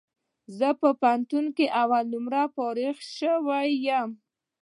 زه په پوهنتون کي اول نمره فارغ سوی یم